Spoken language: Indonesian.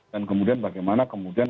dan kemudian bagaimana kemudian